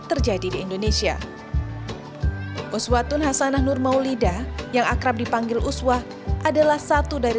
terjadi di indonesia uswatun hasanah nur maulida yang akrab dipanggil uswah adalah satu dari